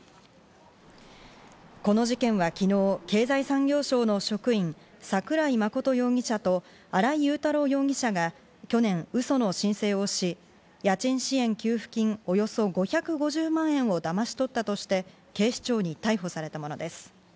この事件は昨日、経済産業省の職員・桜井真容疑者と新井雄太郎容疑者が去年、嘘の申請をし、家賃支援給付金およそ５５０万円をだまし取ったとして警視庁に逮捕されたものです。